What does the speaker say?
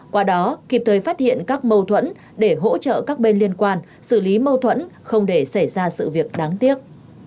qua đó kịp thời phát hiện các mâu thuẫn để hỗ trợ các bên liên quan xử lý mâu thuẫn không để xảy ra sự việc đáng tiếc